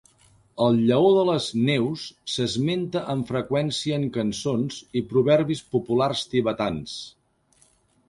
El lleó de les neus s'esmenta amb freqüència en cançons i proverbis populars tibetans.